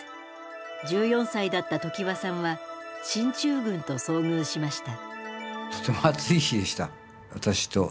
１４歳だった常盤さんは進駐軍と遭遇しました。